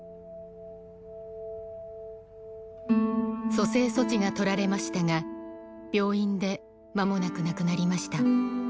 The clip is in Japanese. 蘇生措置が取られましたが病院で間もなく亡くなりました。